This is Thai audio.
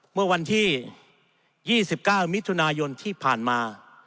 เมื่อวันที่๒๙มิถุนายนที่ผ่านมา